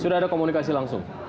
sudah ada komunikasi langsung